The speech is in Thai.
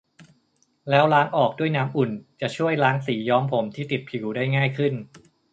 แล้วล้างออกด้วยน้ำอุ่น จะช่วยล้างสีย้อมผมที่ติดผิวได้ง่ายขึ้น